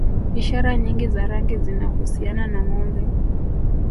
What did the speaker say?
Ishara nyingi za rangi zinahusiana na Ngombe